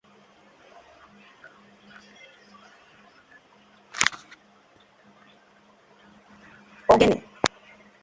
ogene